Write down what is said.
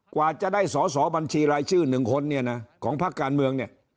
กว่าจะได้สอสอบัญชีรายชื่อ๑คนเนี่ยนะของพักการเมืองเนี่ย